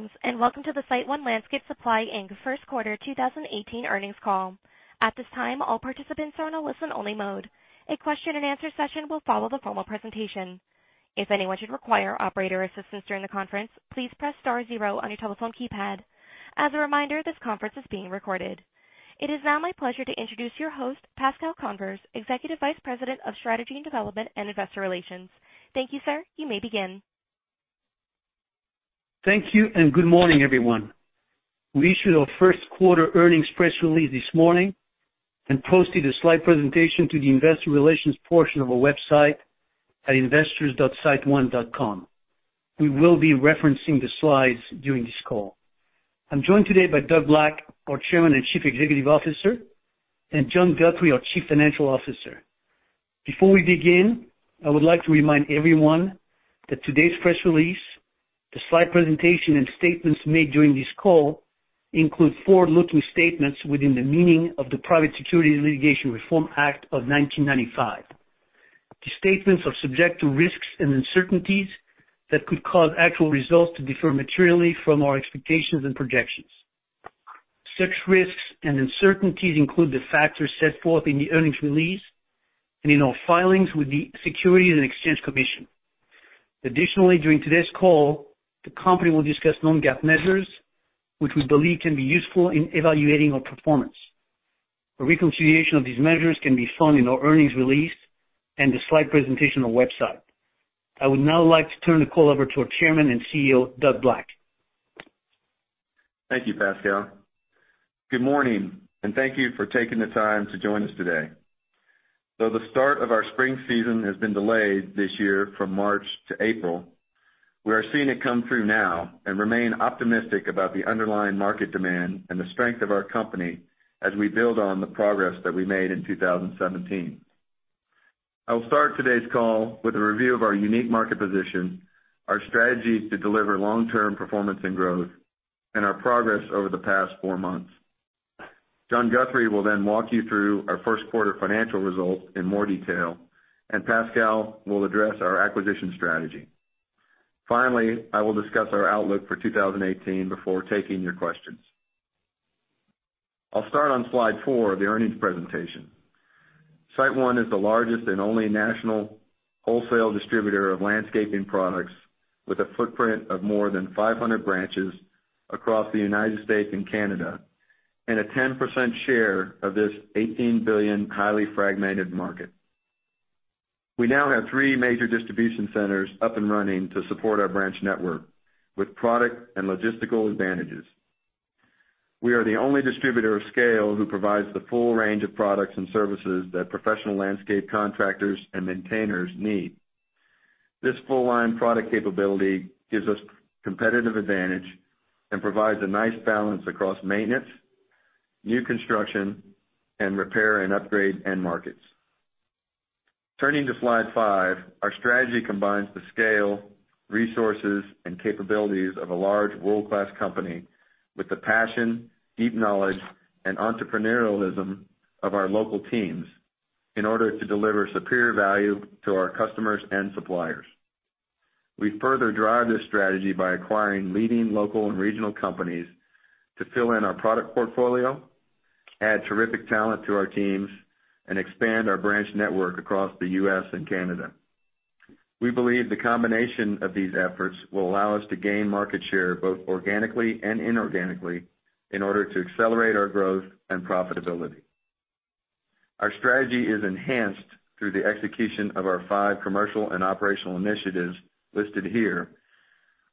Greetings, and welcome to the SiteOne Landscape Supply, Inc. First Quarter 2018 earnings call. At this time, all participants are in a listen-only mode. A question and answer session will follow the formal presentation. If anyone should require operator assistance during the conference, please press star zero on your telephone keypad. As a reminder, this conference is being recorded. It is now my pleasure to introduce your host, Pascal Convers, Executive Vice President of Strategy and Development and Investor Relations. Thank you, sir. You may begin. Thank you, good morning, everyone. We issued our first quarter earnings press release this morning and posted a slide presentation to the investor relations portion of our website at investors.siteone.com. We will be referencing the slides during this call. I am joined today by Doug Black, our Chairman and Chief Executive Officer, and John Guthrie, our Chief Financial Officer. Before we begin, I would like to remind everyone that today's press release, the slide presentation, and statements made during this call include forward-looking statements within the meaning of the Private Securities Litigation Reform Act of 1995. The statements are subject to risks and uncertainties that could cause actual results to differ materially from our expectations and projections. Such risks and uncertainties include the factors set forth in the earnings release and in our filings with the Securities and Exchange Commission. Additionally, during today's call, the company will discuss non-GAAP measures which we believe can be useful in evaluating our performance. A reconciliation of these measures can be found in our earnings release and the slide presentation on the website. I would now like to turn the call over to our Chairman and CEO, Doug Black. Thank you, Pascal. Good morning and thank you for taking the time to join us today. Though the start of our spring season has been delayed this year from March to April, we are seeing it come through now and remain optimistic about the underlying market demand and the strength of our company as we build on the progress that we made in 2017. I will start today's call with a review of our unique market position, our strategy to deliver long-term performance and growth, and our progress over the past four months. John Guthrie will then walk you through our first quarter financial results in more detail, and Pascal will address our acquisition strategy. Finally, I will discuss our outlook for 2018 before taking your questions. I will start on slide four of the earnings presentation. SiteOne is the largest and only national wholesale distributor of landscaping products, with a footprint of more than 500 branches across the U.S. and Canada, and a 10% share of this $18 billion highly fragmented market. We now have three major distribution centers up and running to support our branch network with product and logistical advantages. We are the only distributor of scale who provides the full range of products and services that professional landscape contractors and maintainers need. This full line product capability gives us competitive advantage and provides a nice balance across maintenance, new construction, and repair and upgrade end markets. Turning to slide five, our strategy combines the scale, resources, and capabilities of a large world-class company with the passion, deep knowledge, and entrepreneurialism of our local teams in order to deliver superior value to our customers and suppliers. We further drive this strategy by acquiring leading local and regional companies to fill in our product portfolio, add terrific talent to our teams, and expand our branch network across the U.S. and Canada. We believe the combination of these efforts will allow us to gain market share, both organically and inorganically, in order to accelerate our growth and profitability. Our strategy is enhanced through the execution of our five commercial and operational initiatives listed here,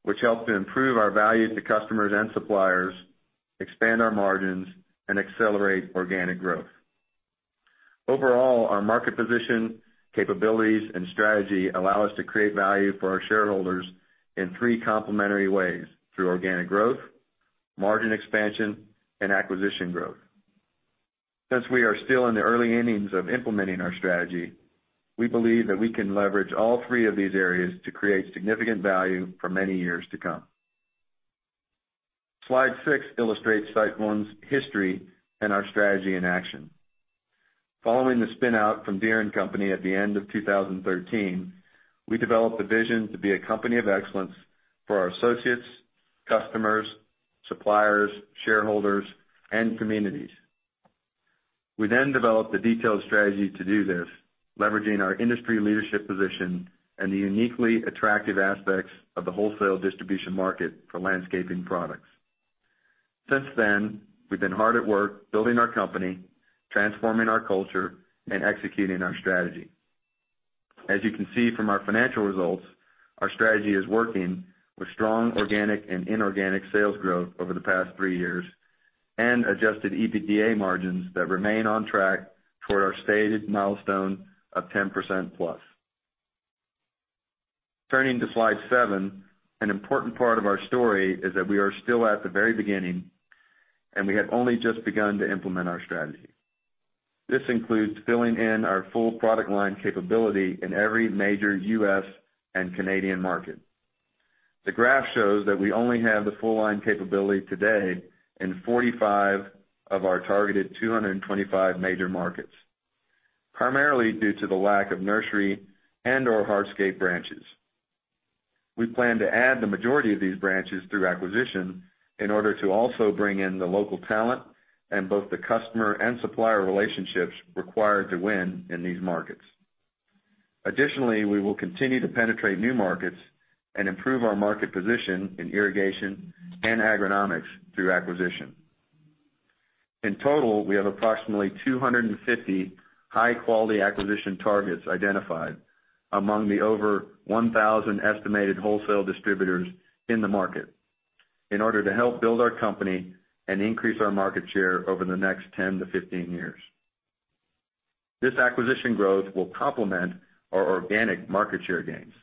which help to improve our value to customers and suppliers, expand our margins, and accelerate organic growth. Overall, our market position, capabilities, and strategy allow us to create value for our shareholders in three complementary ways: through organic growth, margin expansion, and acquisition growth. Since we are still in the early innings of implementing our strategy, we believe that we can leverage all three of these areas to create significant value for many years to come. Slide six illustrates SiteOne's history and our strategy in action. Following the spin-out from Deere & Company at the end of 2013, we developed a vision to be a company of excellence for our associates, customers, suppliers, shareholders, and communities. We then developed a detailed strategy to do this, leveraging our industry leadership position and the uniquely attractive aspects of the wholesale distribution market for landscaping products. Since then, we've been hard at work building our company, transforming our culture, and executing our strategy. As you can see from our financial results, our strategy is working with strong organic and inorganic sales growth over the past three years and adjusted EBITDA margins that remain on track toward our stated milestone of 10%+. Turning to slide seven, an important part of our story is that we are still at the very beginning, and we have only just begun to implement our strategy. This includes filling in our full product line capability in every major U.S. and Canadian market. The graph shows that we only have the full line capability today in 45 of our targeted 225 major markets. Primarily due to the lack of nursery and/or hardscape branches. We plan to add the majority of these branches through acquisition in order to also bring in the local talent and both the customer and supplier relationships required to win in these markets. Additionally, we will continue to penetrate new markets and improve our market position in irrigation and agronomics through acquisition. In total, we have approximately 250 high-quality acquisition targets identified among the over 1,000 estimated wholesale distributors in the market in order to help build our company and increase our market share over the next 10 to 15 years. This acquisition growth will complement our organic market share gains.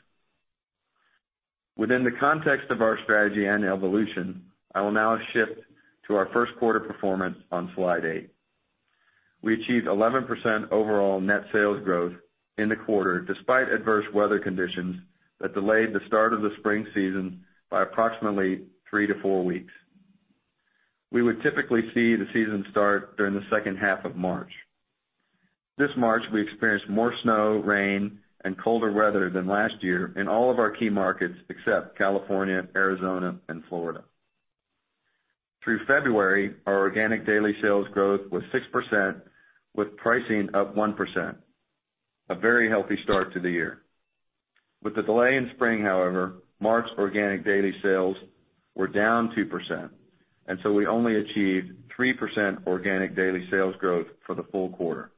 Within the context of our strategy and evolution, I will now shift to our first quarter performance on slide eight. We achieved 11% overall net sales growth in the quarter, despite adverse weather conditions that delayed the start of the spring season by approximately three to four weeks. We would typically see the season start during the second half of March. This March, we experienced more snow, rain, and colder weather than last year in all of our key markets except California, Arizona, and Florida. Through February, our organic daily sales growth was 6% with pricing up 1%, a very healthy start to the year. With the delay in spring, however, March organic daily sales were down 2%. We only achieved 3% organic daily sales growth for the full quarter.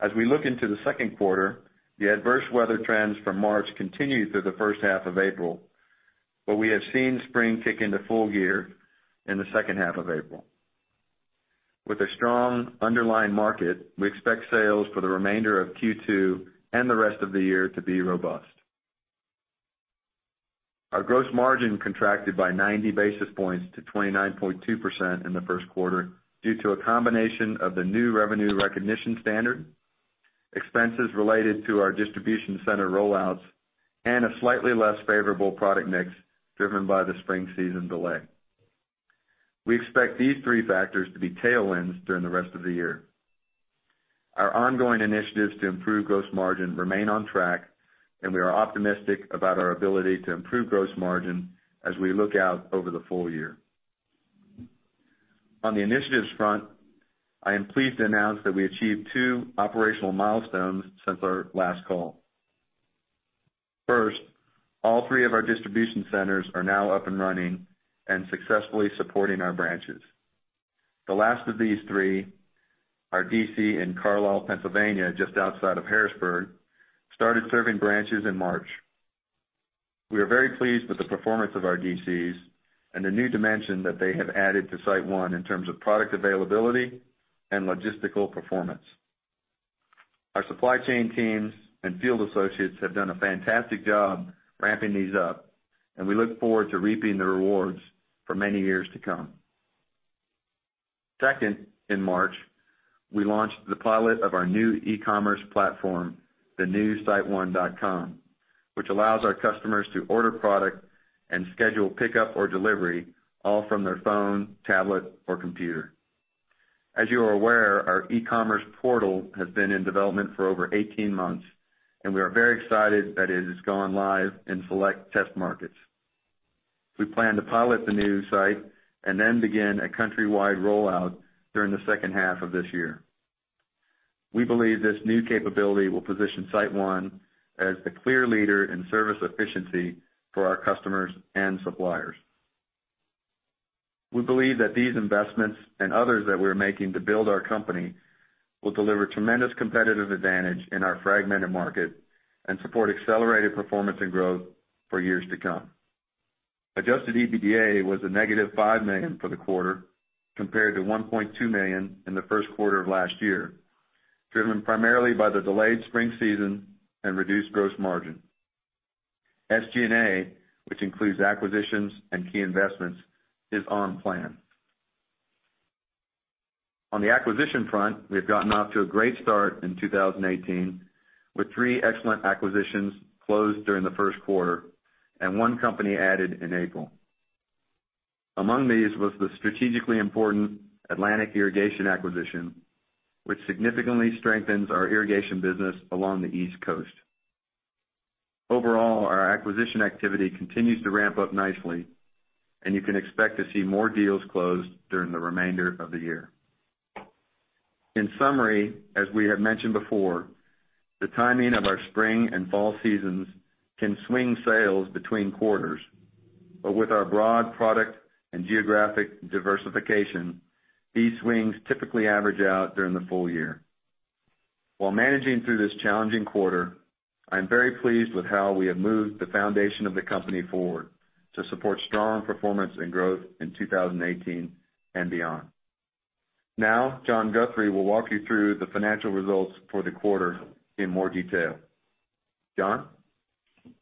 As we look into the second quarter, the adverse weather trends from March continued through the first half of April. We have seen spring kick into full gear in the second half of April. With a strong underlying market, we expect sales for the remainder of Q2 and the rest of the year to be robust. Our gross margin contracted by 90 basis points to 29.2% in the first quarter due to a combination of the new revenue recognition standard, expenses related to our distribution center rollouts, and a slightly less favorable product mix driven by the spring season delay. We expect these three factors to be tailwinds during the rest of the year. Our ongoing initiatives to improve gross margin remain on track, and we are optimistic about our ability to improve gross margin as we look out over the full year. On the initiatives front, I am pleased to announce that we achieved two operational milestones since our last call. First, all three of our distribution centers are now up and running and successfully supporting our branches. The last of these three, our DC in Carlisle, Pennsylvania, just outside of Harrisburg, started serving branches in March. We are very pleased with the performance of our DCs and the new dimension that they have added to SiteOne in terms of product availability and logistical performance. Our supply chain teams and field associates have done a fantastic job ramping these up, and we look forward to reaping the rewards for many years to come. Second, in March, we launched the pilot of our new e-commerce platform, the new siteone.com, which allows our customers to order product and schedule pickup or delivery, all from their phone, tablet, or computer. As you are aware, our e-commerce portal has been in development for over 18 months, and we are very excited that it has gone live in select test markets. We plan to pilot the new site and then begin a countrywide rollout during the second half of this year. We believe this new capability will position SiteOne as the clear leader in service efficiency for our customers and suppliers. We believe that these investments and others that we're making to build our company will deliver tremendous competitive advantage in our fragmented market and support accelerated performance and growth for years to come. Adjusted EBITDA was a negative $5 million for the quarter, compared to $1.2 million in the first quarter of last year, driven primarily by the delayed spring season and reduced gross margin. SG&A, which includes acquisitions and key investments, is on plan. On the acquisition front, we have gotten off to a great start in 2018 with 3 excellent acquisitions closed during the first quarter and 1 company added in April. Among these was the strategically important Atlantic Irrigation acquisition, which significantly strengthens our irrigation business along the East Coast. Overall, our acquisition activity continues to ramp up nicely, and you can expect to see more deals closed during the remainder of the year. In summary, as we have mentioned before, the timing of our spring and fall seasons can swing sales between quarters. But with our broad product and geographic diversification, these swings typically average out during the full year. While managing through this challenging quarter, I am very pleased with how we have moved the foundation of the company forward to support strong performance and growth in 2018 and beyond. Now, John Guthrie will walk you through the financial results for the quarter in more detail. John?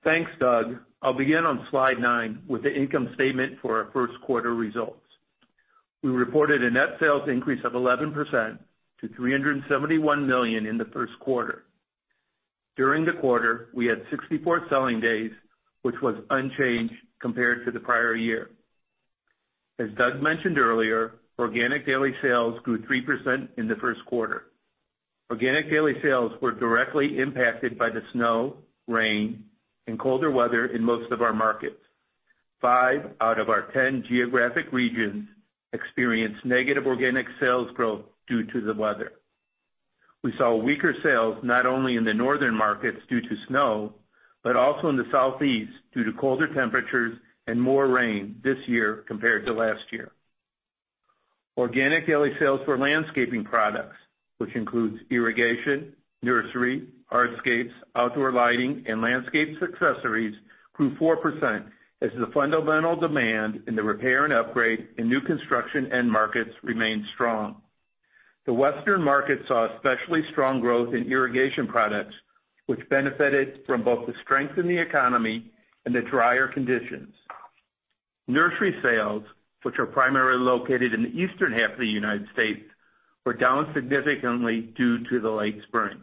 Thanks, Doug. I'll begin on slide nine with the income statement for our first quarter results. We reported a net sales increase of 11% to $371 million in the first quarter. During the quarter, we had 64 selling days, which was unchanged compared to the prior year. As Doug mentioned earlier, organic daily sales grew 3% in the first quarter. Organic daily sales were directly impacted by the snow, rain, and colder weather in most of our markets. 5 out of our 10 geographic regions experienced negative organic sales growth due to the weather. We saw weaker sales not only in the northern markets due to snow, but also in the southeast, due to colder temperatures and more rain this year compared to last year. Organic daily sales for landscaping products, which includes irrigation, nursery, hardscapes, outdoor lighting, and landscapes accessories, grew 4% as the fundamental demand in the repair and upgrade in new construction end markets remained strong. The Western market saw especially strong growth in irrigation products, which benefited from both the strength in the economy and the drier conditions. Nursery sales, which are primarily located in the eastern half of the United States, were down significantly due to the late spring.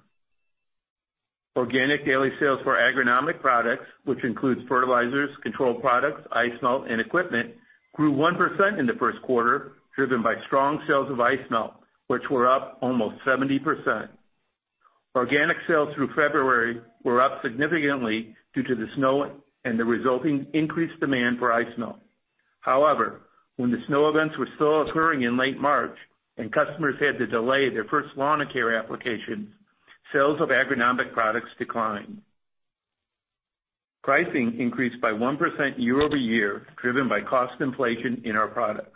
Organic daily sales for agronomic products, which includes fertilizers, control products, ice melt, and equipment, grew 1% in the first quarter, driven by strong sales of ice melt, which were up almost 70%. Organic sales through February were up significantly due to the snow and the resulting increased demand for ice melt. However, when the snow events were still occurring in late March and customers had to delay their first lawn care application, sales of agronomic products declined. Pricing increased by 1% year-over-year, driven by cost inflation in our products.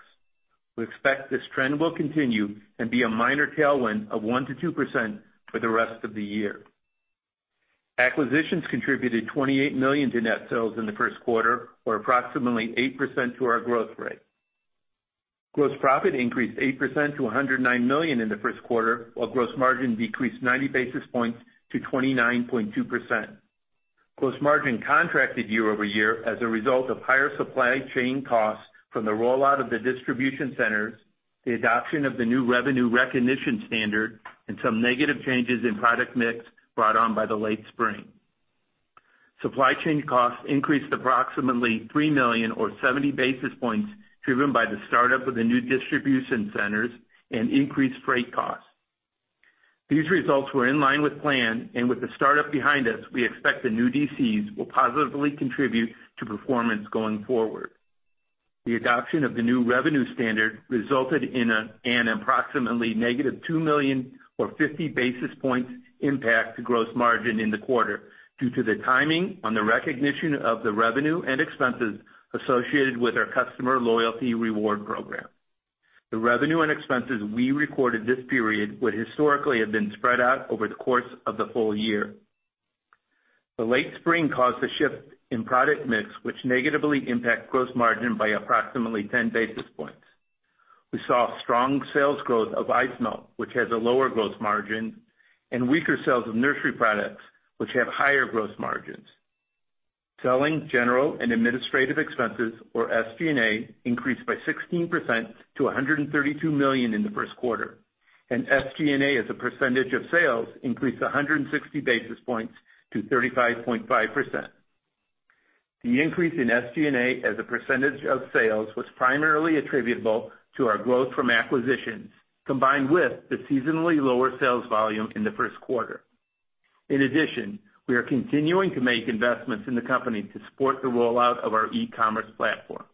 We expect this trend will continue and be a minor tailwind of 1%-2% for the rest of the year. Acquisitions contributed $28 million to net sales in the first quarter, or approximately 8% to our growth rate. Gross profit increased 8% to $109 million in the first quarter, while gross margin decreased 90 basis points to 29.2%. Gross margin contracted year-over-year as a result of higher supply chain costs from the rollout of the distribution centers, the adoption of the new revenue recognition standard, and some negative changes in product mix brought on by the late spring. Supply chain costs increased approximately $3 million or 70 basis points, driven by the start-up of the new distribution centers and increased freight costs. These results were in line with plan, and with the start-up behind us, we expect the new DCs will positively contribute to performance going forward. The adoption of the new revenue standard resulted in an approximately negative $2 million or 50 basis points impact to gross margin in the quarter due to the timing on the recognition of the revenue and expenses associated with our customer loyalty reward program. The revenue and expenses we recorded this period would historically have been spread out over the course of the full year. The late spring caused a shift in product mix, which negatively impact gross margin by approximately 10 basis points. We saw strong sales growth of ice melt, which has a lower gross margin, and weaker sales of nursery products, which have higher gross margins. Selling, general, and administrative expenses, or SG&A, increased by 16% to $132 million in the first quarter, and SG&A, as a percentage of sales, increased 160 basis points to 35.5%. The increase in SG&A as a percentage of sales was primarily attributable to our growth from acquisitions, combined with the seasonally lower sales volume in the first quarter. In addition, we are continuing to make investments in the company to support the rollout of our e-commerce platform.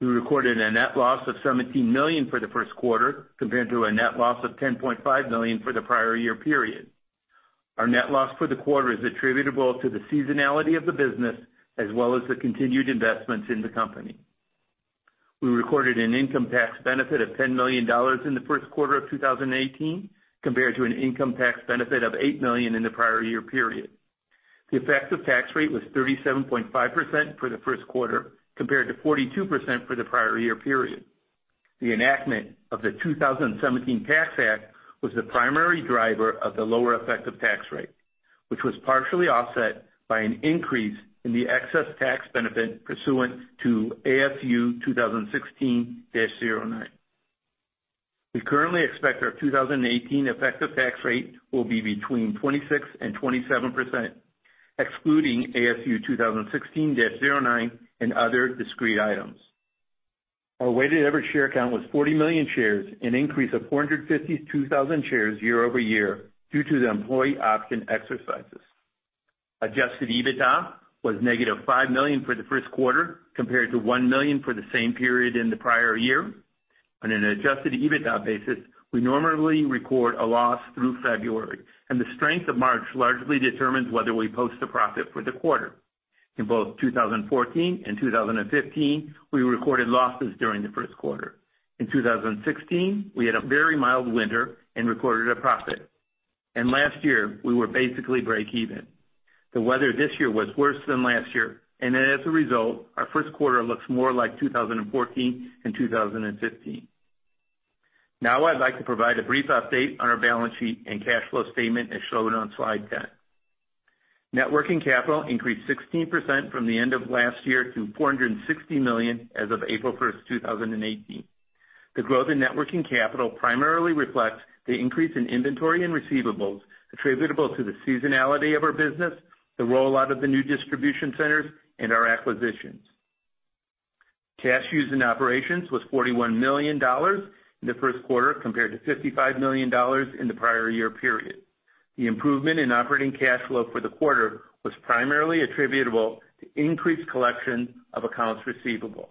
We recorded a net loss of $17 million for the first quarter, compared to a net loss of $10.5 million for the prior year period. Our net loss for the quarter is attributable to the seasonality of the business, as well as the continued investments in the company. We recorded an income tax benefit of $10 million in the first quarter of 2018, compared to an income tax benefit of $8 million in the prior year period. The effective tax rate was 37.5% for the first quarter, compared to 42% for the prior year period. The enactment of the 2017 Tax Act was the primary driver of the lower effective tax rate, which was partially offset by an increase in the excess tax benefit pursuant to ASU 2016-09. We currently expect our 2018 effective tax rate will be between 26% and 27%, excluding ASU 2016-09 and other discrete items. Our weighted average share count was 40 million shares, an increase of 452,000 shares year-over-year due to the employee option exercises. Adjusted EBITDA was negative $5 million for the first quarter, compared to $1 million for the same period in the prior year. On an adjusted EBITDA basis, we normally record a loss through February, and the strength of March largely determines whether we post a profit for the quarter. In both 2014 and 2015, we recorded losses during the first quarter. In 2016, we had a very mild winter and recorded a profit. Last year, we were basically break even. The weather this year was worse than last year, and as a result, our first quarter looks more like 2014 and 2015. I'd like to provide a brief update on our balance sheet and cash flow statement, as shown on slide 10. Net working capital increased 16% from the end of last year to $460 million as of April 1st, 2018. The growth in net working capital primarily reflects the increase in inventory and receivables attributable to the seasonality of our business, the rollout of the new distribution centers, and our acquisitions. Cash used in operations was $41 million in the first quarter, compared to $55 million in the prior year period. The improvement in operating cash flow for the quarter was primarily attributable to increased collection of accounts receivable.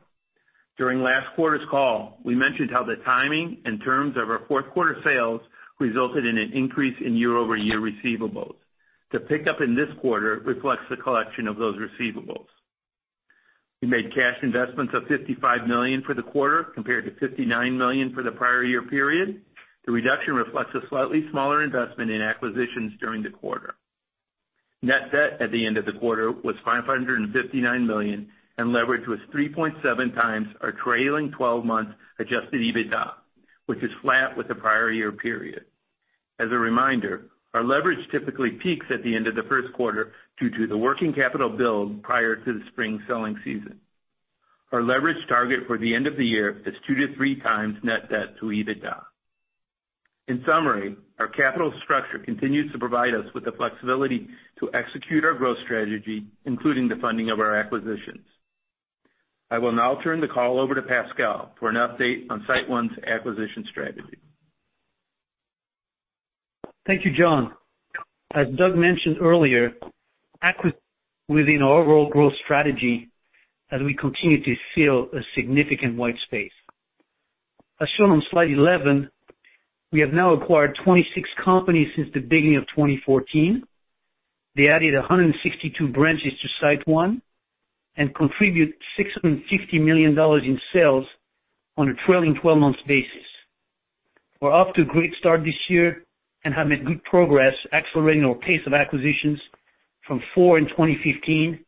During last quarter's call, we mentioned how the timing and terms of our fourth quarter sales resulted in an increase in year-over-year receivables. The pickup in this quarter reflects the collection of those receivables. We made cash investments of $55 million for the quarter, compared to $59 million for the prior year period. The reduction reflects a slightly smaller investment in acquisitions during the quarter. Net debt at the end of the quarter was $559 million, and leverage was 3.7 times our trailing 12 months adjusted EBITDA, which is flat with the prior year period. As a reminder, our leverage typically peaks at the end of the first quarter due to the working capital build prior to the spring selling season. Our leverage target for the end of the year is 2 to 3 times net debt to EBITDA. In summary, our capital structure continues to provide us with the flexibility to execute our growth strategy, including the funding of our acquisitions. I will now turn the call over to Pascal for an update on SiteOne's acquisition strategy. Thank you, John. As Doug mentioned earlier, within our overall growth strategy, as we continue to fill a significant white space. As shown on slide 11, we have now acquired 26 companies since the beginning of 2014. They added 162 branches to SiteOne and contribute $650 million in sales on a trailing 12 months basis. We're off to a great start this year and have made good progress accelerating our pace of acquisitions from four in 2015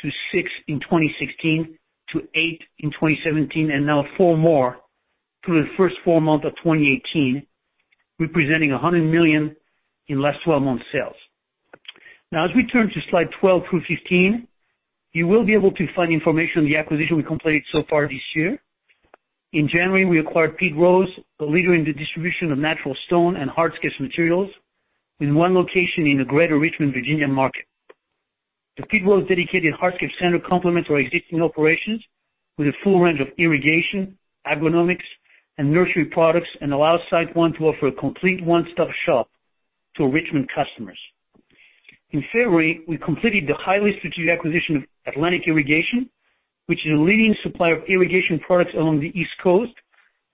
to six in 2016 to eight in 2017, and now four more through the first four months of 2018, representing $100 million in last 12 months sales. As we turn to slide 12 through 15, you will be able to find information on the acquisition we completed so far this year. In January, we acquired Pete Rose, a leader in the distribution of natural stone and hardscape materials, with one location in the Greater Richmond, Virginia market. The Pete Rose dedicated hardscape center complements our existing operations with a full range of irrigation, agronomics, and nursery products and allows SiteOne to offer a complete one-stop shop to Richmond customers. In February, we completed the highly strategic acquisition of Atlantic Irrigation, which is a leading supplier of irrigation products along the East Coast,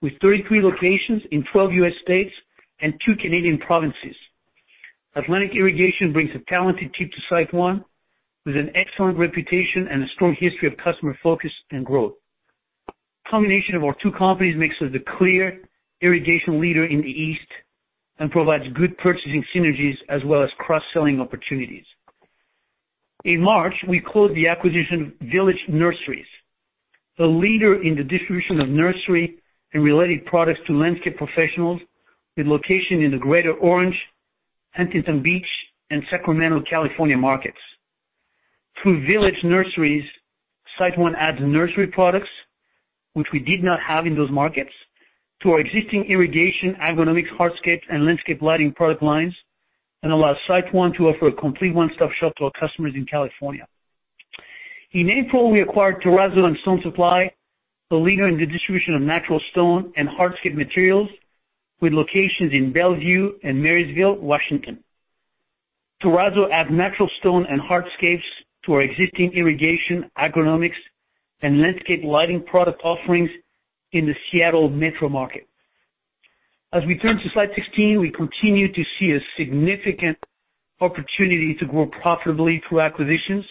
with 33 locations in 12 U.S. states and two Canadian provinces. Atlantic Irrigation brings a talented team to SiteOne with an excellent reputation and a strong history of customer focus and growth. Combination of our two companies makes us the clear irrigation leader in the East and provides good purchasing synergies as well as cross-selling opportunities. In March, we closed the acquisition of Village Nurseries, a leader in the distribution of nursery and related products to landscape professionals, with location in the Greater Orange, Huntington Beach, and Sacramento, California markets. Through Village Nurseries, SiteOne adds nursery products, which we did not have in those markets, to our existing irrigation, agronomics, hardscapes, and landscape lighting product lines and allows SiteOne to offer a complete one-stop shop to our customers in California. In April, we acquired Terrazzo & Stone Supply, the leader in the distribution of natural stone and hardscape materials, with locations in Bellevue and Marysville, Washington. Terrazzo adds natural stone and hardscapes to our existing irrigation, agronomics, and landscape lighting product offerings in the Seattle metro market. As we turn to slide 16, we continue to see a significant opportunity to grow profitably through acquisitions,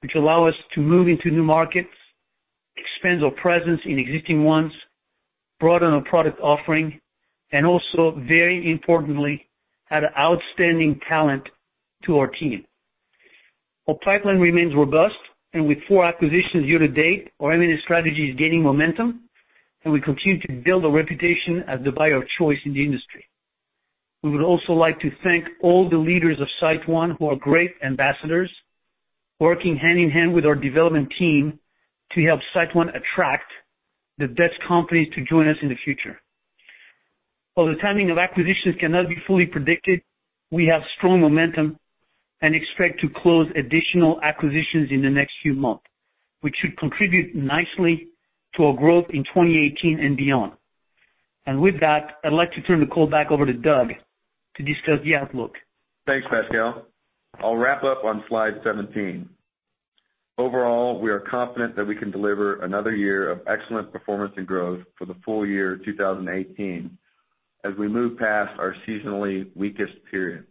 which allow us to move into new markets, expand our presence in existing ones, broaden our product offering, and also, very importantly, add outstanding talent to our team. Our pipeline remains robust, and with four acquisitions year to date, our M&A strategy is gaining momentum, and we continue to build a reputation as the buyer of choice in the industry. We would also like to thank all the leaders of SiteOne who are great ambassadors, working hand in hand with our development team to help SiteOne attract the best companies to join us in the future. While the timing of acquisitions cannot be fully predicted, we have strong momentum and expect to close additional acquisitions in the next few months, which should contribute nicely to our growth in 2018 and beyond. With that, I'd like to turn the call back over to Doug to discuss the outlook. Thanks, Pascal. I'll wrap up on slide 17. Overall, we are confident that we can deliver another year of excellent performance and growth for the full year 2018 as we move past our seasonally weakest period.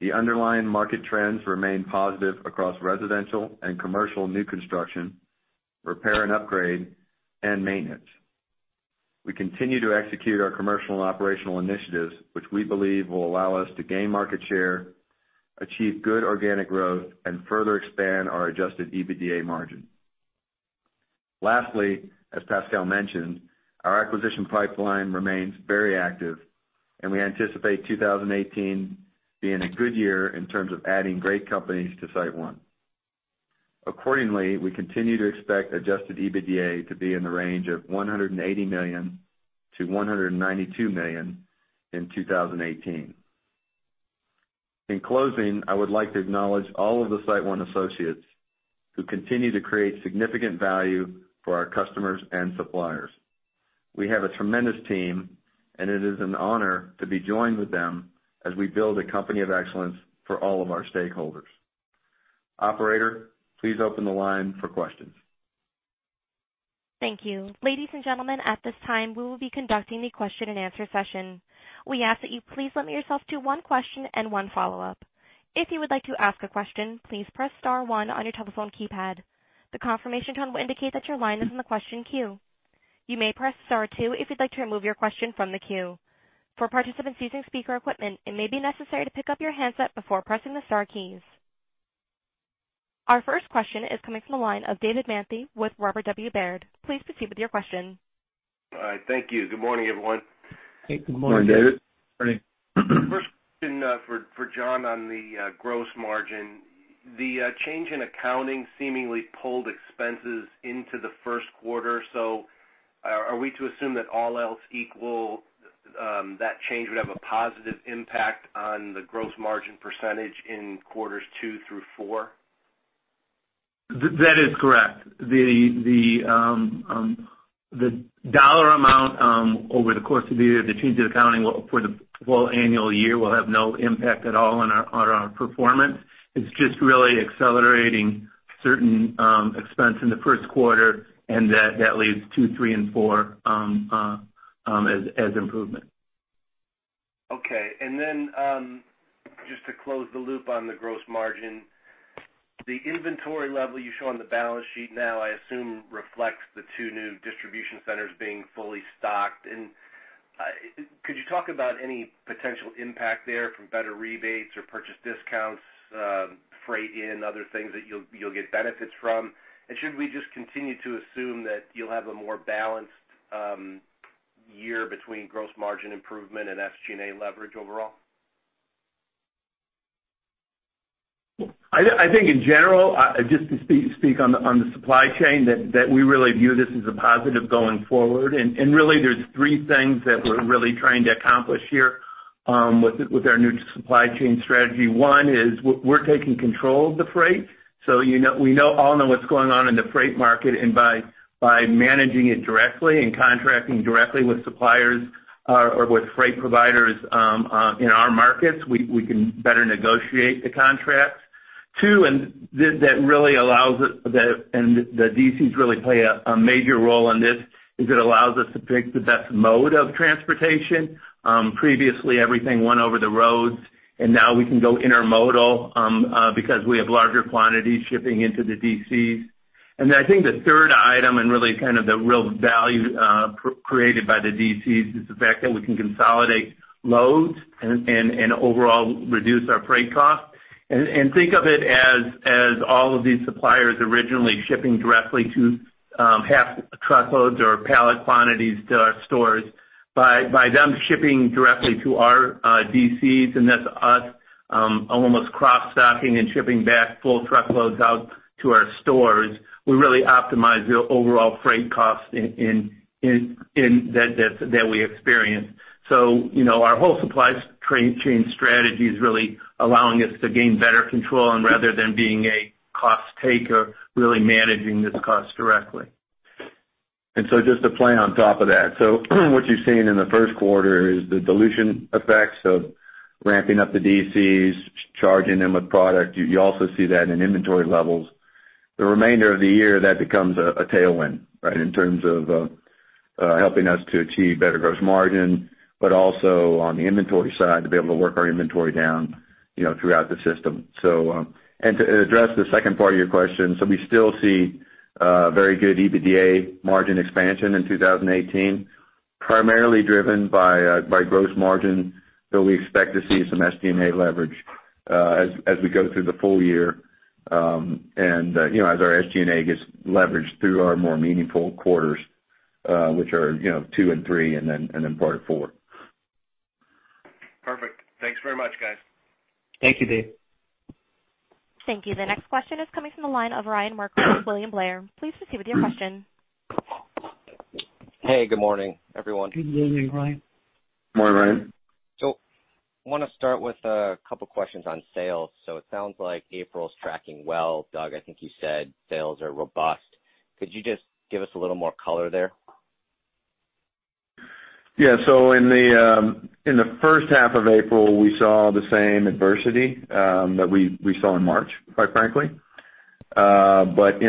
The underlying market trends remain positive across residential and commercial new construction, repair and upgrade, and maintenance. We continue to execute our commercial and operational initiatives, which we believe will allow us to gain market share, achieve good organic growth, and further expand our adjusted EBITDA margin. Lastly, as Pascal mentioned, our acquisition pipeline remains very active, and we anticipate 2018 being a good year in terms of adding great companies to SiteOne. Accordingly, we continue to expect adjusted EBITDA to be in the range of $180 million-$192 million in 2018. In closing, I would like to acknowledge all of the SiteOne associates who continue to create significant value for our customers and suppliers. We have a tremendous team, and it is an honor to be joined with them as we build a company of excellence for all of our stakeholders. Operator, please open the line for questions. Thank you. Ladies and gentlemen, at this time, we will be conducting the question and answer session. We ask that you please limit yourself to one question and one follow-up. If you would like to ask a question, please press star one on your telephone keypad. The confirmation tone will indicate that your line is in the question queue. You may press star two if you'd like to remove your question from the queue. For participants using speaker equipment, it may be necessary to pick up your handset before pressing the star keys. Our first question is coming from the line of David Manthey with Robert W. Baird. Please proceed with your question. All right. Thank you. Good morning, everyone. Hey, good morning. Good morning, David. Morning. First question for John on the gross margin. The change in accounting seemingly pulled expenses into the first quarter. Are we to assume that all else equal, that change would have a positive impact on the gross margin % in quarters two through four? That is correct. The dollar amount over the course of the year, the change in accounting for the full annual year will have no impact at all on our performance. It's just really accelerating certain expense in the first quarter and that leaves two, three, and four as improvement. Okay. Just to close the loop on the gross margin, the inventory level you show on the balance sheet now, I assume, reflects the two new distribution centers being fully stocked. Could you talk about any potential impact there from better rebates or purchase discounts, freight in, other things that you'll get benefits from? Should we just continue to assume that you'll have a more balanced year between gross margin improvement and SG&A leverage overall? I think in general, just to speak on the supply chain, that we really view this as a positive going forward. Really there's three things that we're really trying to accomplish here with our new supply chain strategy. One is we're taking control of the freight. We all know what's going on in the freight market, and by managing it directly and contracting directly with suppliers or with freight providers in our markets, we can better negotiate the contracts. Two, and the DCs really play a major role in this, it allows us to pick the best mode of transportation. Previously, everything went over the roads, and now we can go intermodal because we have larger quantities shipping into the DCs. I think the third item and really kind of the real value created by the DCs is the fact that we can consolidate loads and overall reduce our freight cost. Think of it as all of these suppliers originally shipping directly to half truckloads or pallet quantities to our stores. By them shipping directly to our DCs, and that's us almost cross-docking and shipping back full truckloads out to our stores, we really optimize the overall freight cost that we experience. Our whole supply chain strategy is really allowing us to gain better control and rather than being a cost taker, really managing this cost directly. Just to play on top of that. What you've seen in the first quarter is the dilution effects of ramping up the DCs, charging them with product. You also see that in inventory levels. The remainder of the year, that becomes a tailwind, right? In terms of helping us to achieve better gross margin, but also on the inventory side, to be able to work our inventory down throughout the system. To address the second part of your question, we still see very good EBITDA margin expansion in 2018, primarily driven by gross margin, though we expect to see some SG&A leverage as we go through the full year. As our SG&A gets leveraged through our more meaningful quarters, which are two and three, and then part of four. Perfect. Thanks very much, guys. Thank you, Dave. Thank you. The next question is coming from the line of Ryan Merkel with William Blair. Please proceed with your question. Hey, good morning, everyone. Good morning, Ryan. Morning, Ryan. I want to start with a couple questions on sales. It sounds like April's tracking well. Doug, I think you said sales are robust. Could you just give us a little more color there? Yeah. In the first half of April, we saw the same adversity that we saw in March, quite frankly. In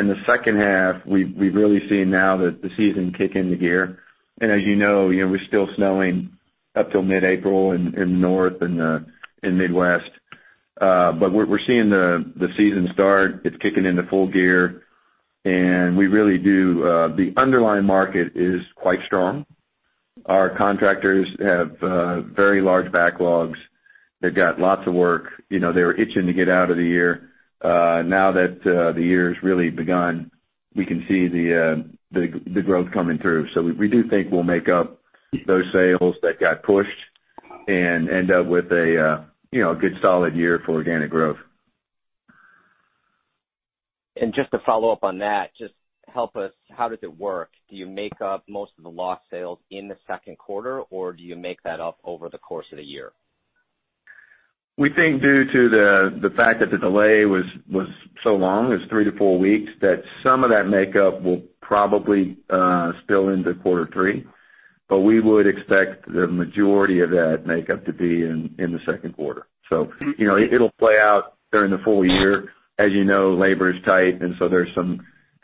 the second half, we've really seen now that the season kick into gear. As you know, it was still snowing up till mid-April in North and Midwest. We're seeing the season start. It's kicking into full gear, and the underlying market is quite strong. Our contractors have very large backlogs. They've got lots of work. They were itching to get out of the year. Now that the year's really begun, we can see the growth coming through. We do think we'll make up those sales that got pushed and end up with a good solid year for organic growth. Just to follow up on that, just help us, how does it work? Do you make up most of the lost sales in the second quarter, or do you make that up over the course of the year? We think due to the fact that the delay was so long, it was three to four weeks, that some of that makeup will probably spill into quarter three. We would expect the majority of that makeup to be in the second quarter. It'll play out during the full year. As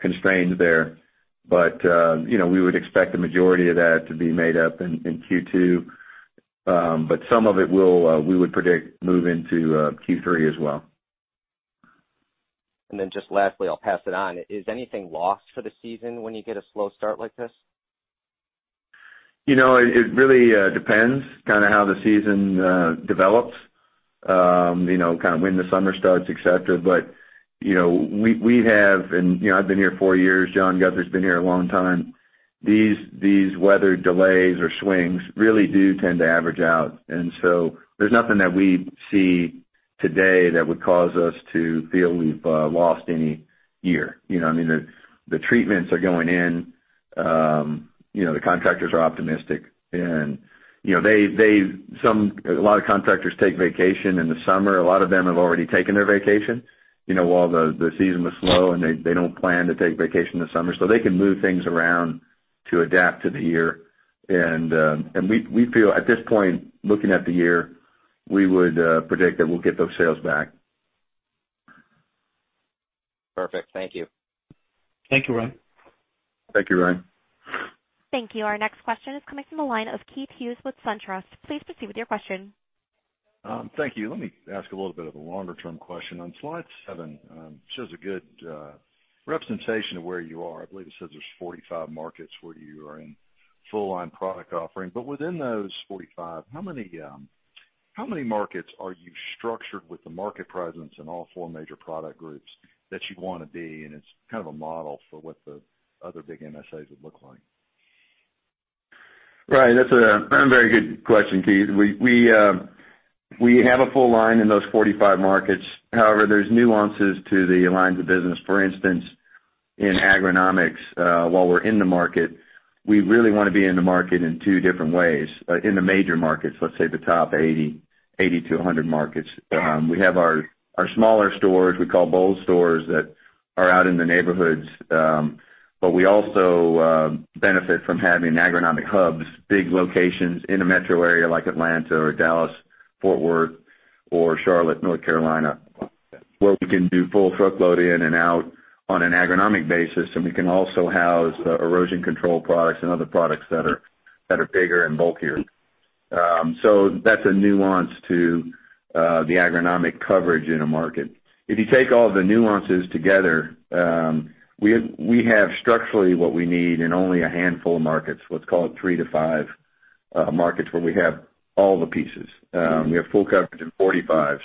you know, labor is tight, and so there's some constraints there. We would expect the majority of that to be made up in Q2. Some of it will, we would predict, move into Q3 as well. Just lastly, I'll pass it on. Is anything lost for the season when you get a slow start like this? It really depends how the season develops, when the summer starts, et cetera. We have, and I've been here four years, John Guthrie has been here a long time. These weather delays or swings really do tend to average out. There's nothing that we see today that would cause us to feel we've lost any year. I mean, the treatments are going in. The contractors are optimistic. A lot of contractors take vacation in the summer. A lot of them have already taken their vacation while the season was slow, and they don't plan to take vacation this summer, so they can move things around to adapt to the year. We feel, at this point, looking at the year, we would predict that we'll get those sales back. Perfect. Thank you. Thank you, Ryan. Thank you, Ryan. Thank you. Our next question is coming from the line of Keith Hughes with SunTrust. Please proceed with your question. Thank you. Let me ask a little bit of a longer-term question. On slide seven, it shows a good representation of where you are. I believe it says there's 45 markets where you are in full line product offering. Within those 45, how many markets are you structured with the market presence in all four major product groups that you'd want to be, and it's kind of a model for what the other big MSAs would look like? Right. That's a very good question, Keith Hughes. We have a full line in those 45 markets. However, there's nuances to the lines of business. For instance, in agronomics, while we're in the market, we really want to be in the market in two different ways. In the major markets, let's say the top 80 to 100 markets. We have our smaller stores, we call focus branches, that are out in the neighborhoods. We also benefit from having agronomic hubs, big locations in a metro area like Atlanta or Dallas, Fort Worth, or Charlotte, North Carolina, where we can do full truckload in and out on an agronomic basis, and we can also house erosion control products and other products that are bigger and bulkier. That's a nuance to the agronomic coverage in a market. If you take all the nuances together, we have structurally what we need in only a handful of markets. Let's call it three to five markets where we have all the pieces. We have full coverage in 45.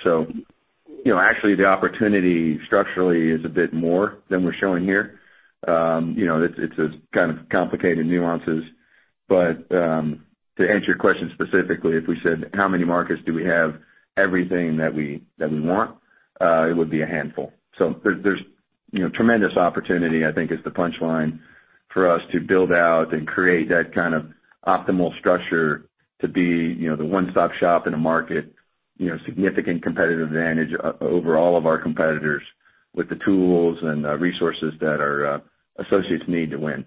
Actually, the opportunity structurally is a bit more than we're showing here. It's kind of complicated nuances, to answer your question specifically, if we said, how many markets do we have everything that we want, it would be a handful. There's tremendous opportunity, I think, is the punchline for us to build out and create that kind of optimal structure to be the one stop shop in a market, significant competitive advantage over all of our competitors with the tools and resources that our associates need to win.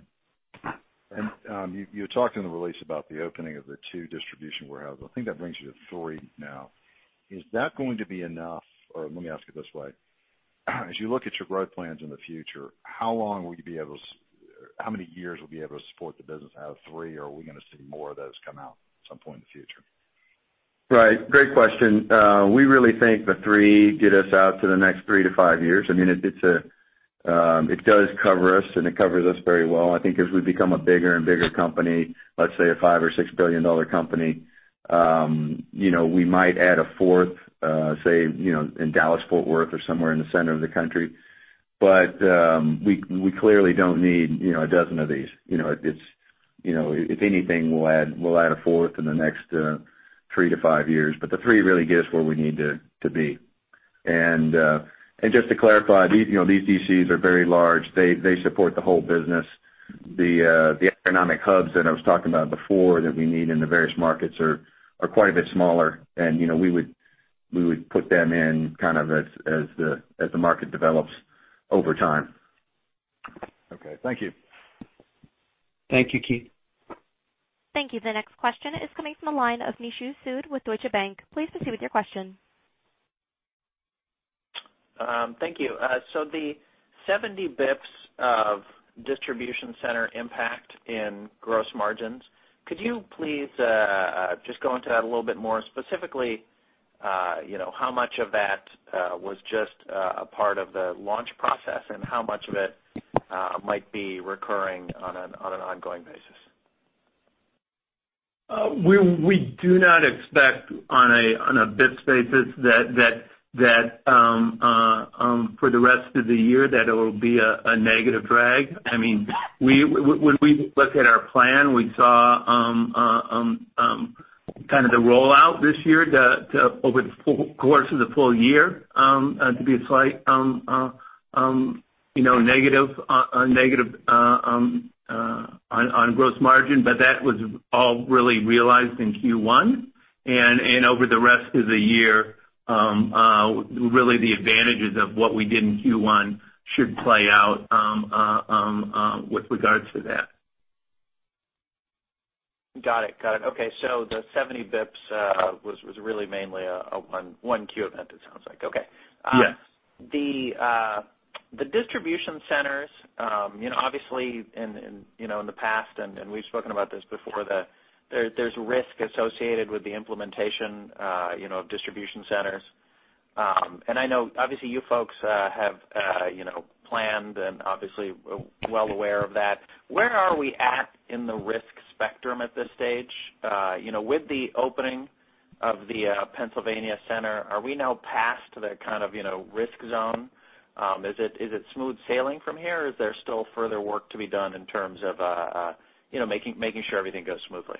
You talked in the release about the opening of the two distribution warehouses. I think that brings you to three now. Is that going to be enough, or let me ask it this way. As you look at your growth plans in the future, how many years will you be able to support the business out of three, or are we going to see more of those come out at some point in the future? Right. Great question. We really think the three get us out to the next three to five years. I mean, it does cover us, and it covers us very well. I think as we become a bigger and bigger company, let's say a $5 billion or $6 billion company, we might add a fourth, say, in Dallas, Fort Worth, or somewhere in the center of the country. We clearly don't need a dozen of these. If anything, we'll add a fourth in the next three to five years. The three really get us where we need to be. Just to clarify, these DCs are very large. They support the whole business. The agronomic hubs that I was talking about before that we need in the various markets are quite a bit smaller. We would put them in kind of as the market develops over time. Okay. Thank you. Thank you, Keith. Thank you. The next question is coming from the line of Nishu Sood with Deutsche Bank. Please proceed with your question. Thank you. The 70 basis points of distribution center impact in gross margins, could you please just go into that a little bit more specifically? How much of that was just a part of the launch process, and how much of it might be recurring on an ongoing basis? We do not expect on a basis points basis that for the rest of the year that it will be a negative drag. I mean, when we look at our plan, we saw Kind of the rollout this year over the course of the full year to be a slight negative on gross margin. That was all really realized in Q1. Over the rest of the year, really the advantages of what we did in Q1 should play out with regards to that. Got it. Okay. The 70 basis points was really mainly a one Q event, it sounds like. Okay. Yes. The distribution centers, obviously in the past, and we've spoken about this before, that there's risk associated with the implementation of distribution centers. I know obviously you folks have planned and obviously well aware of that. Where are we at in the risk spectrum at this stage? With the opening of the Pennsylvania center, are we now past the kind of risk zone? Is it smooth sailing from here? Is there still further work to be done in terms of making sure everything goes smoothly?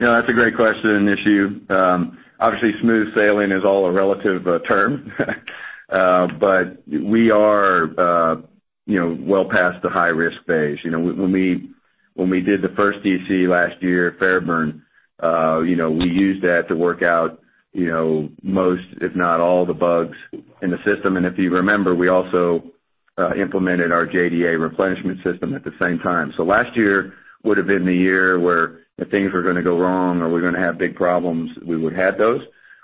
That's a great question, Nishu. Obviously, smooth sailing is all a relative term, but we are well past the high-risk phase. When we did the first DC last year, Fairburn, we used that to work out most, if not all, the bugs in the system. If you remember, we also implemented our JDA replenishment system at the same time. Last year would've been the year where if things were going to go wrong or we're going to have big problems, we would have those.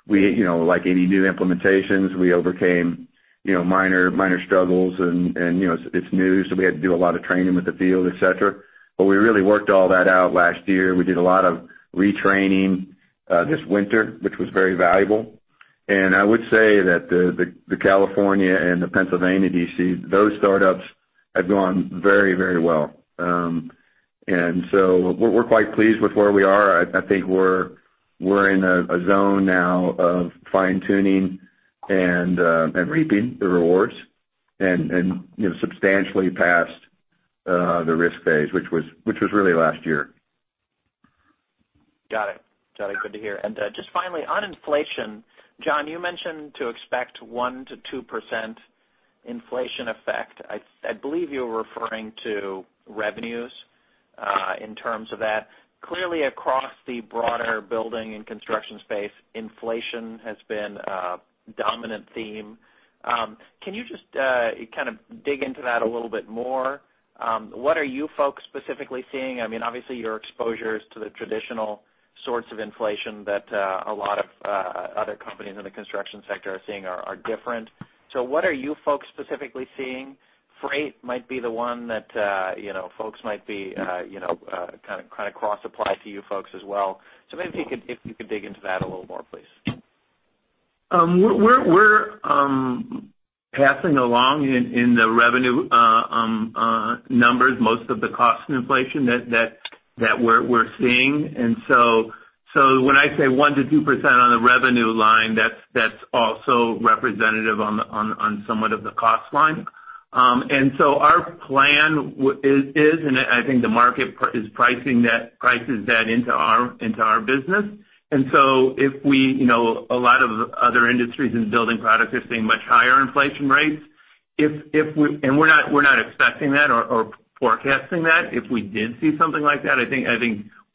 Like any new implementations, we overcame minor struggles. It's new, so we had to do a lot of training with the field, et cetera. We really worked all that out last year. We did a lot of retraining this winter, which was very valuable. I would say that the California and the Pennsylvania DC, those startups have gone very, very well. We're quite pleased with where we are. I think we're in a zone now of fine-tuning and reaping the rewards and substantially past the risk phase, which was really last year. Got it. Good to hear. Just finally, on inflation, John, you mentioned to expect 1%-2% inflation effect. I believe you were referring to revenues in terms of that. Clearly, across the broader building and construction space, inflation has been a dominant theme. Can you just kind of dig into that a little bit more? What are you folks specifically seeing? Obviously, your exposures to the traditional sorts of inflation that a lot of other companies in the construction sector are seeing are different. What are you folks specifically seeing? Freight might be the one that folks might be kind of cross apply to you folks as well. Maybe if you could dig into that a little more, please. We're passing along in the revenue numbers most of the cost inflation that we're seeing. When I say 1%-2% on the revenue line, that's also representative on somewhat of the cost line. Our plan is, and I think the market prices that into our business. A lot of other industries and building products are seeing much higher inflation rates. We're not expecting that or forecasting that. If we did see something like that, I think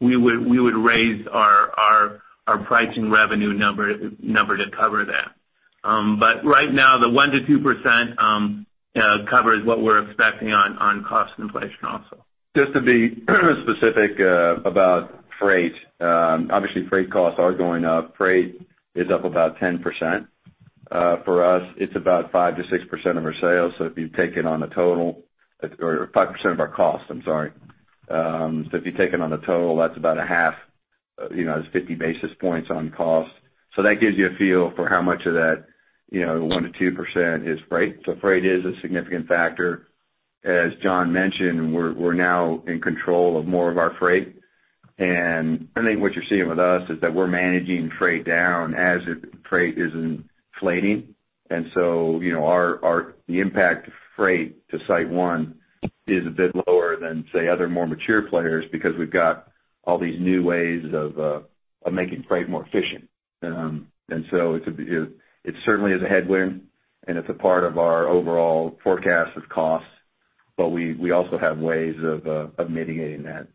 we would raise our pricing revenue number to cover that. Right now, the 1%-2% covers what we're expecting on cost inflation also. Just to be specific about freight. Obviously, freight costs are going up. Freight is up about 10%. For us, it's about 5% to 6% of our sales, or 5% of our cost, I'm sorry. If you take it on a total, that's about a half, that's 50 basis points on cost. That gives you a feel for how much of that 1% to 2% is freight. Freight is a significant factor. As John mentioned, we're now in control of more of our freight. I think what you're seeing with us is that we're managing freight down as freight is inflating. The impact of freight to SiteOne is a bit lower than, say, other more mature players because we've got all these new ways of making freight more efficient. It certainly is a headwind, and it's a part of our overall forecast of costs, but we also have ways of mitigating that.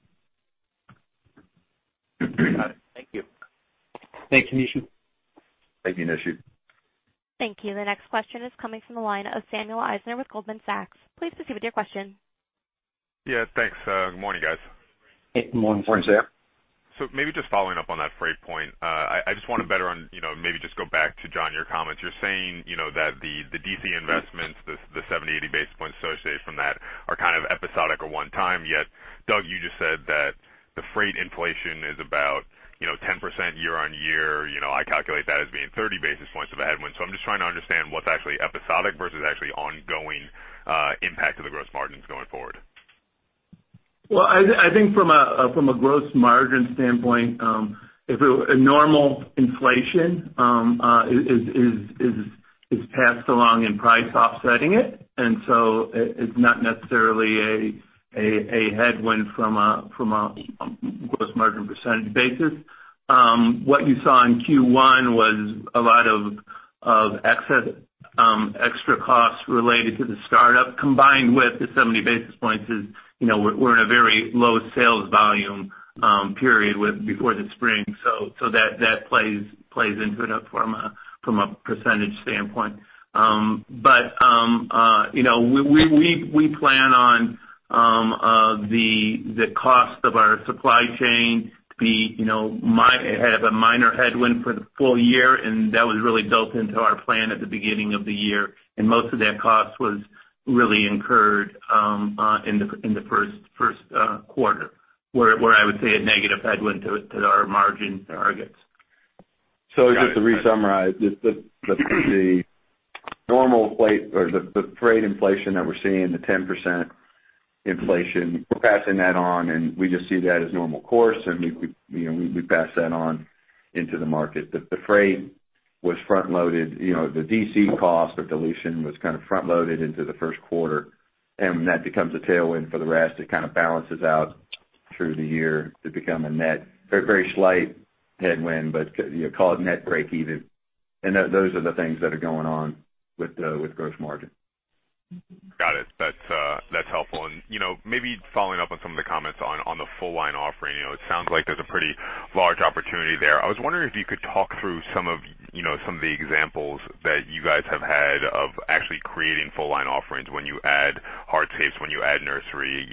Got it. Thank you. Thanks, Nishu. Thank you, Nishu. Thank you. The next question is coming from the line of Samuel Eisner with Goldman Sachs. Please proceed with your question. Yeah, thanks. Good morning, guys. Good morning. Morning, Sam. Maybe just following up on that freight point. I just want a better on, maybe just go back to John, your comments. You are saying that the DC investments, the 70, 80 basis points associated from that are kind of episodic or one time, yet Doug, you just said that the freight inflation is about 10% year-on-year. I calculate that as being 30 basis points of a headwind. I am just trying to understand what is actually episodic versus actually ongoing impact to the gross margins going forward. Well, I think from a gross margin standpoint, a normal inflation is passed along in price offsetting it. It is not necessarily a headwind from a gross margin percentage basis. What you saw in Q1 was a lot of excess extra costs related to the startup, combined with the 70 basis points is, we are in a very low sales volume period before the spring, that plays into it from a percentage standpoint. We plan on the cost of our supply chain to have a minor headwind for the full year, and that was really built into our plan at the beginning of the year. Most of that cost was really incurred in the first quarter, where I would say a negative headwind to our margin targets. Just to re-summarize, the normal freight or the freight inflation that we are seeing, the 10% inflation, we are passing that on, and we just see that as normal course. We pass that on into the market. The freight was front-loaded, the DC cost or dilution was kind of front-loaded into the first quarter, when that becomes a tailwind for the rest, it kind of balances out through the year to become a net, very slight headwind, but call it net breakeven. Those are the things that are going on with gross margin. Got it. That's helpful. Maybe following up on some of the comments on the full line offering, it sounds like there's a pretty large opportunity there. I was wondering if you could talk through some of the examples that you guys have had of actually creating full line offerings when you add hardscapes, when you add nursery.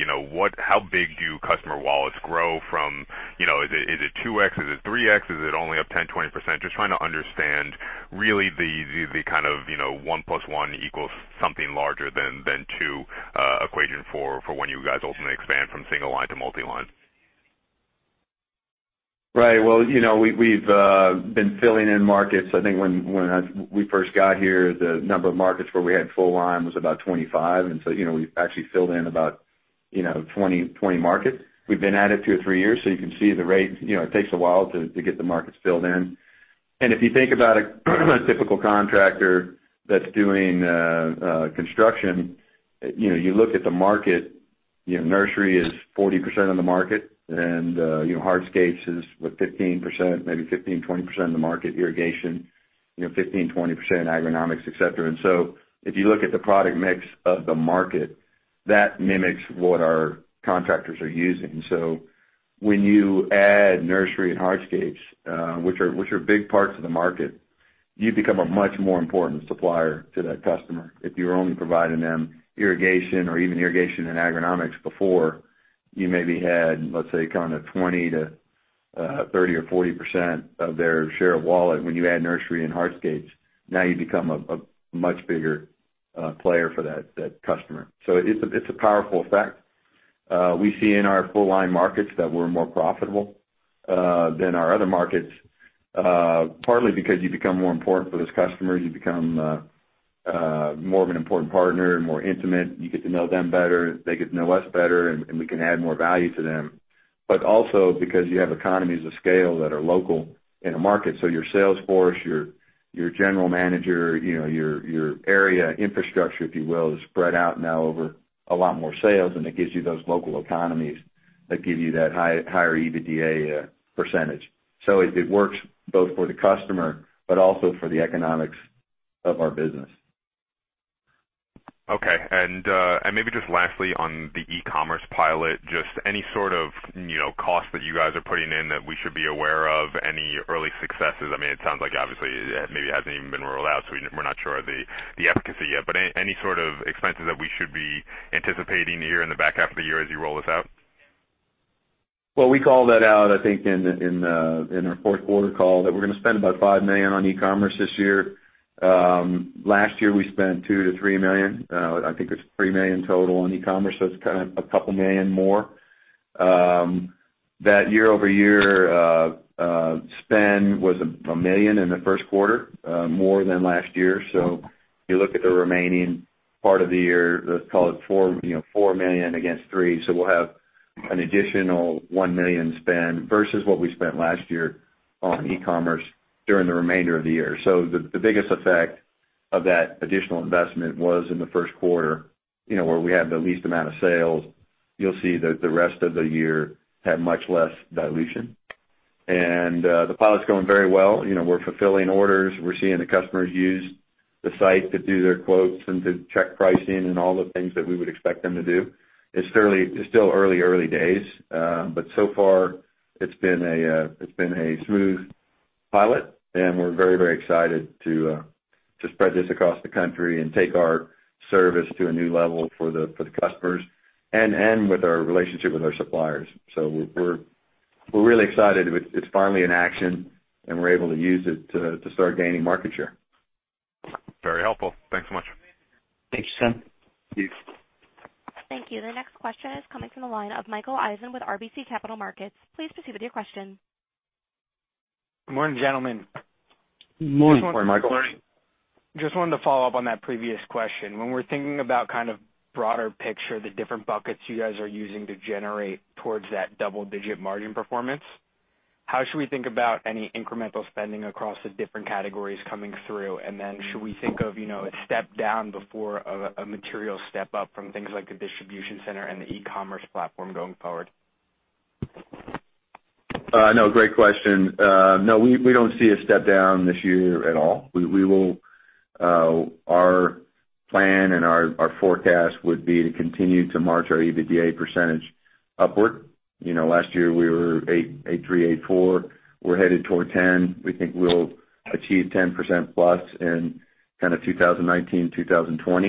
How big do customer wallets grow from? Is it 2x? Is it 3x? Is it only up 10%-20%? Just trying to understand, really, the kind of one plus one equals something larger than two equation for when you guys ultimately expand from single line to multi line. Right. Well, we've been filling in markets. I think when we first got here, the number of markets where we had full line was about 25. We've actually filled in about 20 markets. We've been at it two or three years, so you can see the rate. It takes a while to get the markets filled in. If you think about a typical contractor that's doing construction, you look at the market, nursery is 40% of the market, hardscapes is, what, 15%, maybe 15%-20% of the market, irrigation, 15%-20%, agronomics, et cetera. If you look at the product mix of the market, that mimics what our contractors are using. When you add nursery and hardscapes, which are big parts of the market, you become a much more important supplier to that customer. If you were only providing them irrigation or even irrigation and agronomics before, you maybe had, let's say, kind of 20%-30% or 40% of their share of wallet. When you add nursery and hardscapes, now you become a much bigger player for that customer. It's a powerful effect. We see in our full line markets that we're more profitable than our other markets, partly because you become more important for those customers. You become more of an important partner and more intimate. You get to know them better, they get to know us better, we can add more value to them. Also because you have economies of scale that are local in a market. Your sales force, your general manager, your area infrastructure, if you will, is spread out now over a lot more sales, it gives you those local economies that give you that higher EBITDA percentage. It works both for the customer also for the economics of our business. Maybe just lastly on the e-commerce pilot, any sort of cost that you guys are putting in that we should be aware of, any early successes? It sounds like obviously, maybe it hasn't even been rolled out, so we're not sure of the efficacy yet. Any sort of expenses that we should be anticipating here in the back half of the year as you roll this out? We called that out, I think, in our fourth quarter call, that we're going to spend about $5 million on e-commerce this year. Last year, we spent $2 million to $3 million. I think it's $3 million total on e-commerce, so it's kind of a couple million more. That year-over-year spend was $1 million in the first quarter, more than last year. If you look at the remaining part of the year, let's call it $4 million against $3 million, we'll have an additional $1 million spend versus what we spent last year on e-commerce during the remainder of the year. The biggest effect of that additional investment was in the first quarter, where we had the least amount of sales. You'll see that the rest of the year had much less dilution. The pilot's going very well. We're fulfilling orders. We're seeing the customers use the site to do their quotes and to check pricing and all the things that we would expect them to do. It's still early days, but so far it's been a smooth pilot, and we're very excited to spread this across the country and take our service to a new level for the customers and with our relationship with our suppliers. We're really excited it's finally in action, and we're able to use it to start gaining market share. Very helpful. Thanks so much. Thank you, Sam. Thanks. Thank you. The next question is coming from the line of Michael Eisen with RBC Capital Markets. Please proceed with your question. Good morning, gentlemen. Good morning. Morning, Michael. Just wanted to follow up on that previous question. When we're thinking about kind of broader picture, the different buckets you guys are using to generate towards that double-digit margin performance, how should we think about any incremental spending across the different categories coming through? Should we think of a step down before a material step up from things like the distribution center and the e-commerce platform going forward? No, great question. No, we don't see a step down this year at all. Our plan and our forecast would be to continue to march our EBITDA percentage upward. Last year we were eight three, eight four. We're headed toward 10. We think we'll achieve 10% plus in 2019, 2020.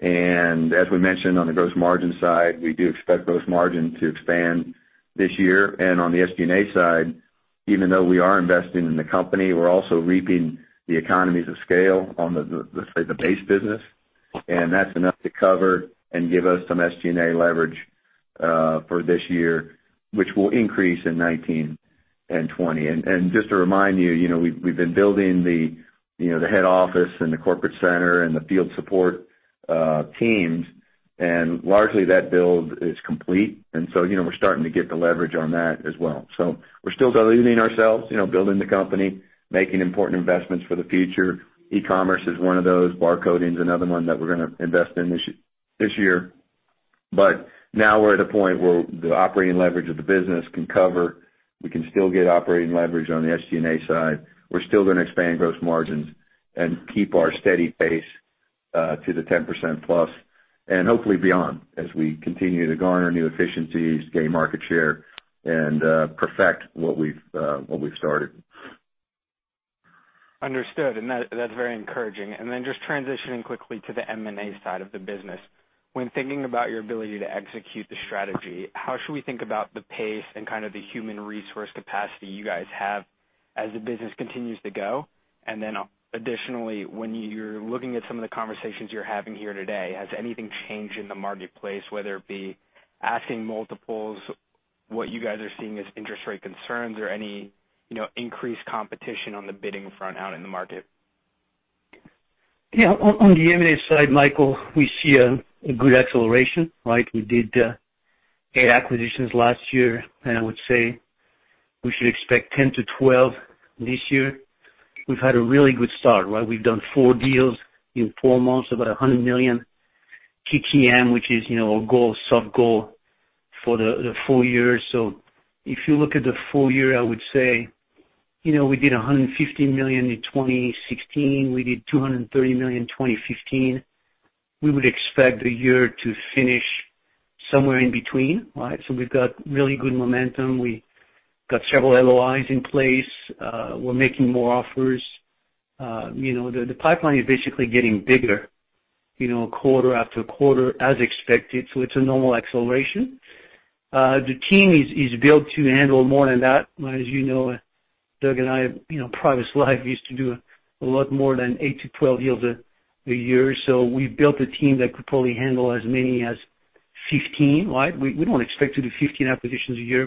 As we mentioned on the gross margin side, we do expect gross margin to expand this year. On the SG&A side, even though we are investing in the company, we're also reaping the economies of scale on, let's say, the base business. That's enough to cover and give us some SG&A leverage for this year, which will increase in 2019 and 2020. Just to remind you, we've been building the head office and the corporate center and the field support teams, and largely that build is complete. We're starting to get the leverage on that as well. We're still believing in ourselves, building the company, making important investments for the future. E-commerce is one of those. Barcoding is another one that we're going to invest in this year. Now we're at a point where the operating leverage of the business can cover. We can still get operating leverage on the SG&A side. We're still going to expand gross margins and keep our steady pace to the 10% plus, and hopefully beyond as we continue to garner new efficiencies, gain market share, and perfect what we've started. Understood, that's very encouraging. Just transitioning quickly to the M&A side of the business. When thinking about your ability to execute the strategy, how should we think about the pace and kind of the human resource capacity you guys have as the business continues to go? Additionally, when you're looking at some of the conversations you're having here today, has anything changed in the marketplace, whether it be asking multiples, what you guys are seeing as interest rate concerns or any increased competition on the bidding front out in the market? On the M&A side, Michael, we see a good acceleration, right? We did 8 acquisitions last year. I would say we should expect 10 to 12 this year. We've had a really good start, right? We've done 4 deals in 4 months, about $100 million TTM, which is our goal, sub goal for the full year. If you look at the full year, I would say, we did $150 million in 2016, we did $230 million in 2015. We would expect the year to finish somewhere in between. We've got really good momentum. We got several LOIs in place. We're making more offers. The pipeline is basically getting bigger quarter after quarter as expected. It's a normal acceleration. The team is built to handle more than that. As you know, Doug and I, in previous life, used to do a lot more than 8 to 12 deals a year. We've built a team that could probably handle as many as 15. We don't expect to do 15 acquisitions a year.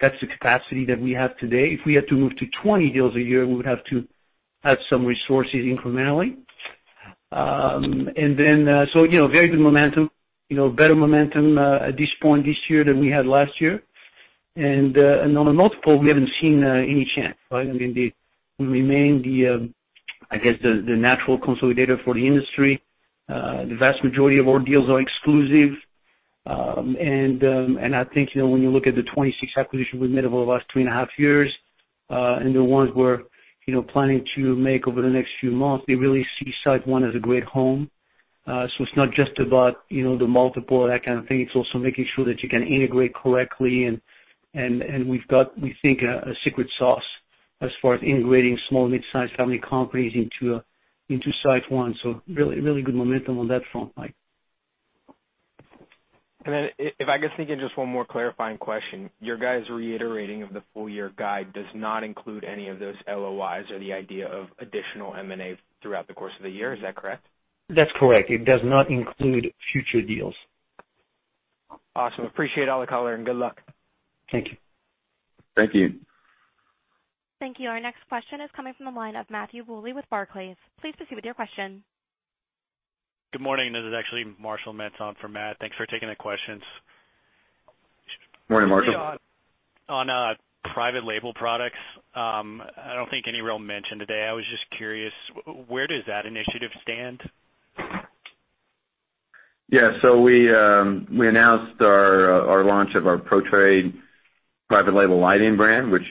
That's the capacity that we have today. If we had to move to 20 deals a year, we would have to add some resources incrementally. Very good momentum, better momentum at this point this year than we had last year. On a multiple, we haven't seen any change. We remain the natural consolidator for the industry. The vast majority of our deals are exclusive. I think when you look at the 26 acquisitions we've made over the last 3 and a half years, and the ones we're planning to make over the next few months, they really see SiteOne as a great home. It's not just about the multiple, that kind of thing. It's also making sure that you can integrate correctly. We've got, we think, a secret sauce as far as integrating small midsize family companies into SiteOne. Really good momentum on that front, Mike. if I could sneak in just one more clarifying question, your guys reiterating of the full year guide does not include any of those LOIs or the idea of additional M&A throughout the course of the year. Is that correct? That's correct. It does not include future deals. Awesome. Appreciate all the color, good luck. Thank you. Thank you. Thank you. Our next question is coming from the line of Matthew Bouley with Barclays. Please proceed with your question. Good morning. This is actually Marshall Mentz for Matt. Thanks for taking the questions. Morning, Marshall. On private label products, I don't think any real mention today. I was just curious, where does that initiative stand? Yeah. We announced our launch of our Pro-Trade private label lighting brand, which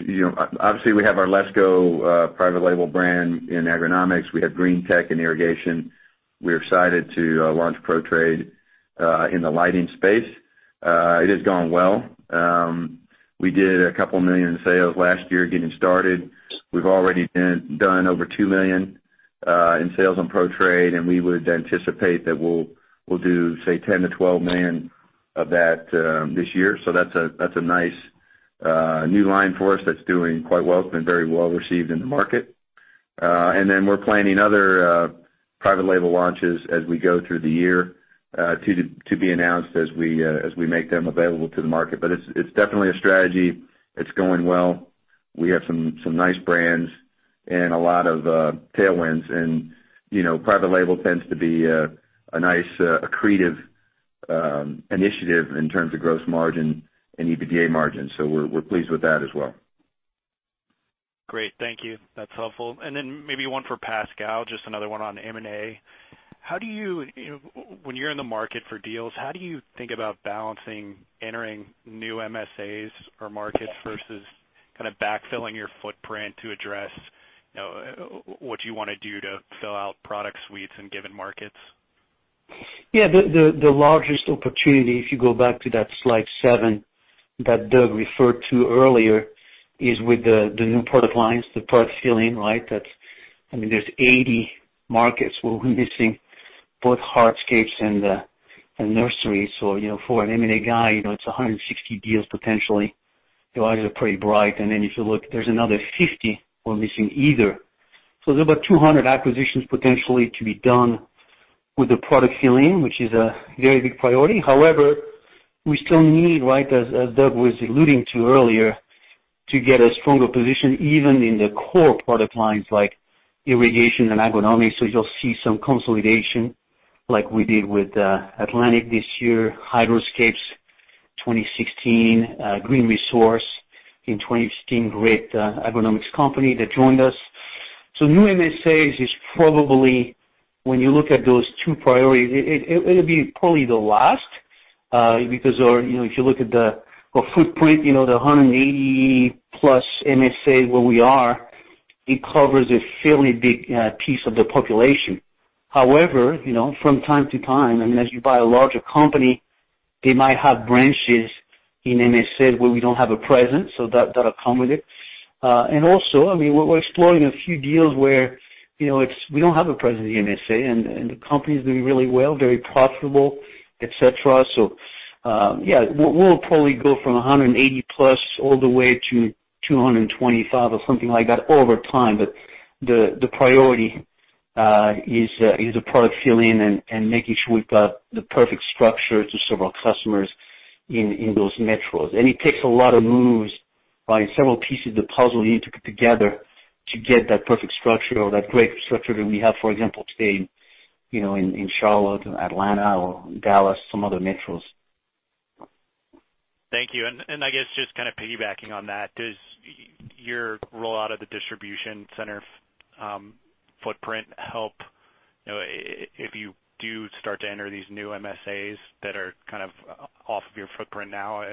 obviously we have our LESCO private label brand in agronomics. We have GreenTech in irrigation. We're excited to launch Pro-Trade in the lighting space. It has gone well. We did $couple million in sales last year getting started. We've already done over $2 million in sales on Pro-Trade, and we would anticipate that we'll do, say, $10 million-$12 million of that this year. That's a nice new line for us that's doing quite well. It's been very well received in the market. We're planning other private label launches as we go through the year to be announced as we make them available to the market. It's definitely a strategy. It's going well. We have some nice brands and a lot of tailwinds. Private label tends to be a nice accretive initiative in terms of gross margin and EBITDA margin. We're pleased with that as well. Great. Thank you. That's helpful. Maybe one for Pascal, just another one on M&A. When you're in the market for deals, how do you think about balancing entering new MSAs or markets versus backfilling your footprint to address what you want to do to fill out product suites in given markets? Yeah. The largest opportunity, if you go back to that slide seven that Doug referred to earlier, is with the new product lines, the product filling, right? There are 80 markets where we are missing both hardscapes and nurseries. For an M&A guy, it is 160 deals potentially. Your eyes are pretty bright. Then if you look, there is another 50 we are missing either. So there are about 200 acquisitions potentially to be done with the product filling, which is a very big priority. However, we still need, right, as Doug was alluding to earlier, to get a stronger position, even in the core product lines, like irrigation and agronomics. You will see some consolidation like we did with Atlantic this year, Hydro-Scape 2016, Green Resource in 2016, great agronomics company that joined us. New MSAs is probably, when you look at those two priorities, it will be probably the last, because if you look at the footprint, the 180-plus MSAs where we are, it covers a fairly big piece of the population. However, from time to time, as you buy a larger company, they might have branches in MSAs where we do not have a presence, so that will come with it. Also, we are exploring a few deals where we do not have a presence in the MSA, and the company is doing really well, very profitable, et cetera. So, yeah, we will probably go from 180 plus all the way to 225 or something like that over time. But the priority is the product filling and making sure we have got the perfect structure to serve our customers in those metros. It takes a lot of moves, several pieces of the puzzle you need to put together to get that perfect structure or that great structure that we have, for example, today in Charlotte or Atlanta or Dallas, some other metros. Thank you. I guess just kind of piggybacking on that, does your rollout of the distribution center footprint help if you do start to enter these new MSAs that are off of your footprint now?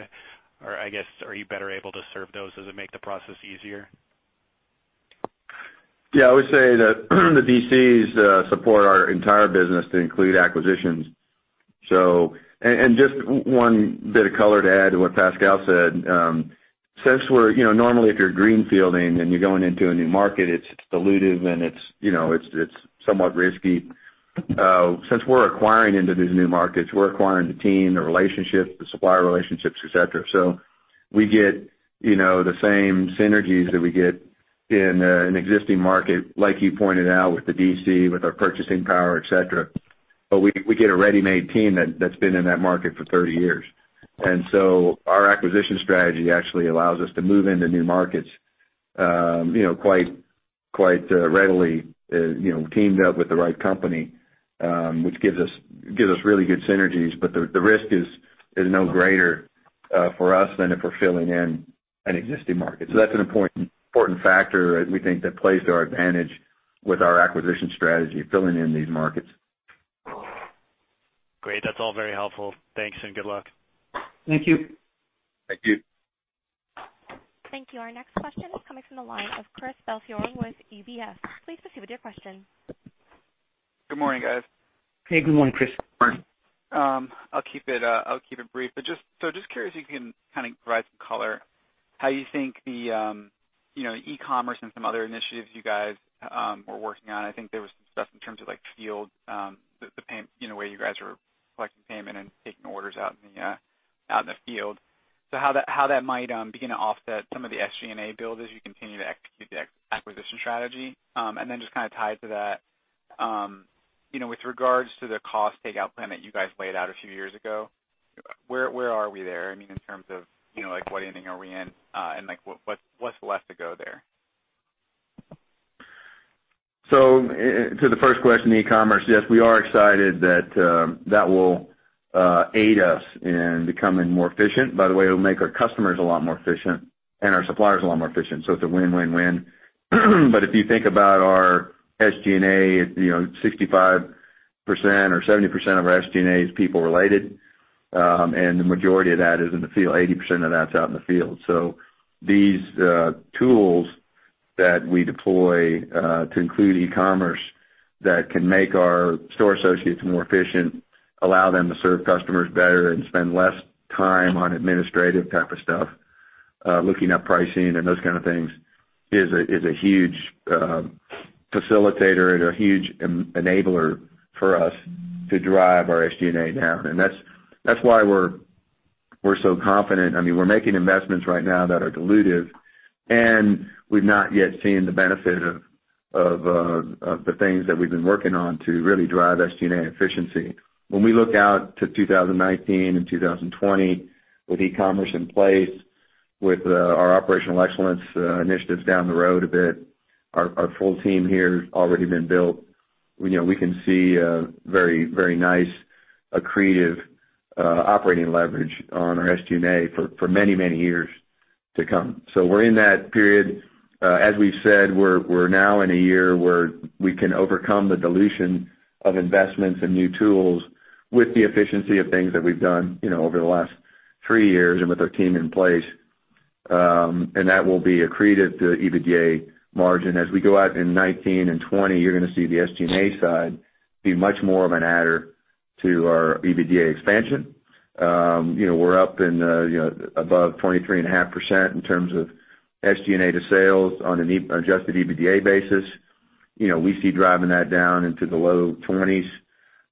Or I guess, are you better able to serve those? Does it make the process easier? Yeah, I would say that the DCs support our entire business to include acquisitions. Just one bit of color to add to what Pascal said, Normally, if you're greenfielding and you're going into a new market, it's dilutive and it's somewhat risky. Since we're acquiring into these new markets, we're acquiring the team, the relationships, the supplier relationships, et cetera. We get the same synergies that we get in an existing market, like you pointed out with the DC, with our purchasing power, et cetera. We get a ready-made team that's been in that market for 30 years. Our acquisition strategy actually allows us to move into new markets quite readily, teamed up with the right company, which gives us really good synergies. The risk is no greater for us than if we're filling in an existing market. That's an important factor that we think plays to our advantage with our acquisition strategy, filling in these markets. Great. That's all very helpful. Thanks, and good luck. Thank you. Thank you. Thank you. Our next question is coming from the line of Chris Belfiore with UBS. Please proceed with your question. Good morning, guys. Hey, good morning, Chris. Morning. I'll keep it brief. Just curious if you can provide some color how you think the e-commerce and some other initiatives you were working on, I think there was some stuff in terms of field, the payment, way you were collecting payment and taking orders out in the field. How that might begin to offset some of the SG&A build as you continue to execute the acquisition strategy. Just tied to that, with regards to the cost takeout plan that you laid out a few years ago, where are we there? In terms of what inning are we in, and what's left to go there? To the first question, e-commerce, yes, we are excited that that will aid us in becoming more efficient. By the way, it'll make our customers a lot more efficient and our suppliers a lot more efficient. It's a win-win-win. If you think about our SG&A, 65% or 70% of our SG&A is people related. The majority of that is in the field. 80% of that's out in the field. These tools that we deploy, to include e-commerce, that can make our store associates more efficient, allow them to serve customers better and spend less time on administrative type of stuff, looking up pricing and those kind of things, is a huge facilitator and a huge enabler for us to drive our SG&A down. That's why we're so confident. We're making investments right now that are dilutive, and we've not yet seen the benefit of the things that we've been working on to really drive SG&A efficiency. When we look out to 2019 and 2020 with e-commerce in place, with our operational excellence initiatives down the road a bit, our full team here has already been built. We can see a very nice accretive operating leverage on our SG&A for many, many years to come. We're in that period. As we've said, we're now in a year where we can overcome the dilution of investments and new tools with the efficiency of things that we've done over the last three years and with our team in place, and that will be accreted to EBITDA margin. As we go out in 2019 and 2020, you're going to see the SG&A side be much more of an adder to our EBITDA expansion. We're up above 23.5% in terms of SG&A to sales on an adjusted EBITDA basis. We see driving that down into the low 20s.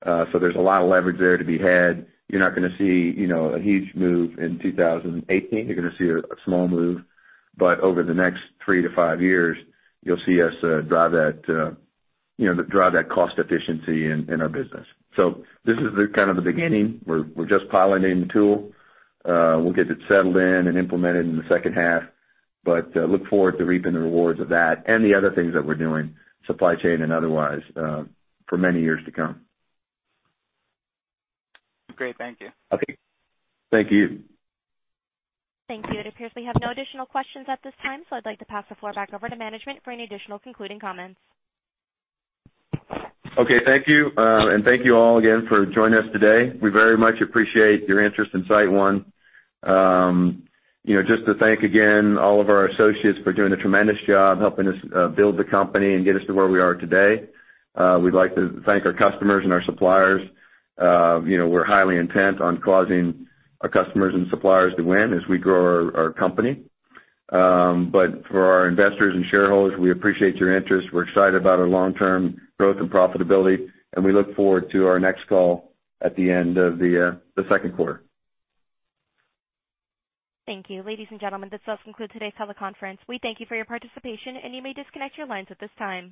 There's a lot of leverage there to be had. You're not going to see a huge move in 2018. You're going to see a small move. Over the next three to five years, you'll see us drive that cost efficiency in our business. This is the beginning. We're just piloting the tool. We'll get it settled in and implemented in the second half, but look forward to reaping the rewards of that and the other things that we're doing, supply chain and otherwise, for many years to come. Great. Thank you. Okay. Thank you. Thank you. It appears we have no additional questions at this time. I'd like to pass the floor back over to management for any additional concluding comments. Okay, thank you. Thank you all again for joining us today. We very much appreciate your interest in SiteOne. Just to thank again all of our associates for doing a tremendous job helping us build the company and get us to where we are today. We'd like to thank our customers and our suppliers. We're highly intent on causing our customers and suppliers to win as we grow our company. For our investors and shareholders, we appreciate your interest. We're excited about our long-term growth and profitability, and we look forward to our next call at the end of the second quarter. Thank you. Ladies and gentlemen, this does conclude today's teleconference. We thank you for your participation, and you may disconnect your lines at this time.